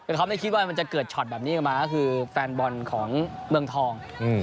แต่เขาไม่คิดว่ามันจะเกิดช็อตแบบนี้ออกมาก็คือแฟนบอลของเมืองทอง